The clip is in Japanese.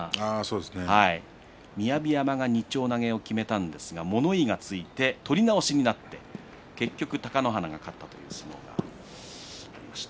二丁投げといえば貴乃花対雅山雅山が二丁投げをきめたんですが物言いがついて取り直しになって結局、貴乃花が勝ったという相撲がありました。